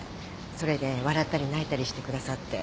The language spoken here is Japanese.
それで笑ったり泣いたりしてくださって。